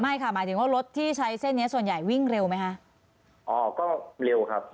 ค่ะหมายถึงว่ารถที่ใช้เส้นเนี้ยส่วนใหญ่วิ่งเร็วไหมคะอ๋อก็เร็วครับ